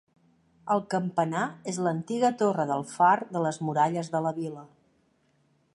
El campanar és l'antiga Torre del Far de les muralles de la vila.